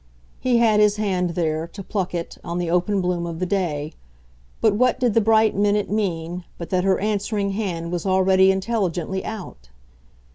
He had his hand there, to pluck it, on the open bloom of the day; but what did the bright minute mean but that her answering hand was already intelligently out?